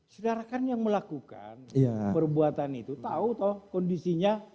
saudara kan yang melakukan perbuatan itu tau tuh kondisinya